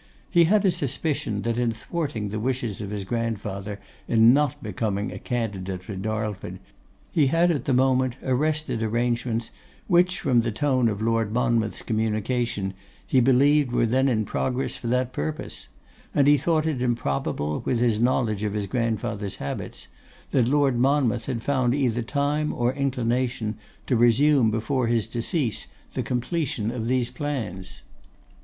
He had a suspicion that in thwarting the wishes of his grandfather in not becoming a candidate for Darlford, he had at the moment arrested arrangements which, from the tone of Lord Monmouth's communication, he believed were then in progress for that purpose; and he thought it improbable, with his knowledge of his grandfather's habits, that Lord Monmouth had found either time or inclination to resume before his decease the completion of these plans.